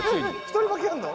一人負けあるの？